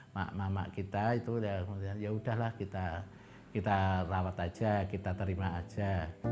mak mak kita itu yaudahlah kita rawat aja kita terima aja